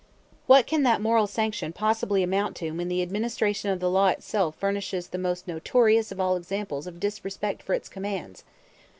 What can that moral sanction possibly amount to when the administration of the law itself furnishes the most notorious of all examples of disrespect for its commands?